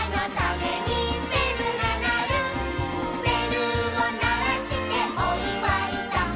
「べるをならしておいわいだ」